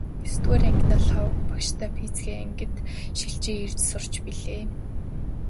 Есдүгээр ангидаа Лхагва багштай физикийн ангид шилжин ирж сурч билээ.